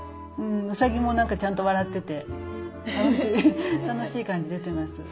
ウサギもちゃんと笑ってて楽しい感じ出てます。